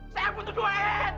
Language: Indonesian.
saya butuh duit